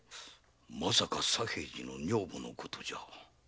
まさか左平次の女房のことじゃ。